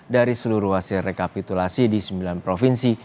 dari seluruh hasil rekapitulasi di sembilan provinsi